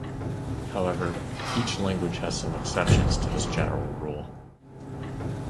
However, each language has some exceptions to this general rule.